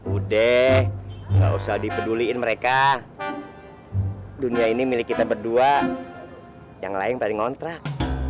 udah gak usah dipeduliin mereka dunia ini milik kita berdua yang lain paling ngontrak